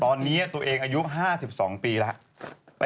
ตอนนี้ตัวเองอายุ๕๒ปีแล้ว